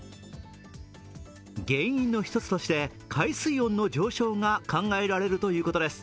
原因の一つとして、海水温の上昇が考えられるということです。